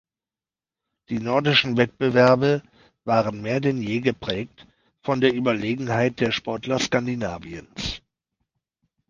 Die nordischen Wettbewerbe waren mehr denn je geprägt von der Überlegenheit der Sportler Skandinaviens.